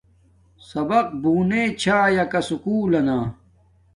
سبق بونے چھایا کا سکُول لنا